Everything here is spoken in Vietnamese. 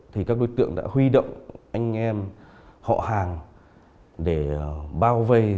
thì các đối tượng đã huy động anh em họ hàng để bao vây